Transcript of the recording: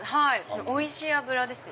おいしい脂ですね。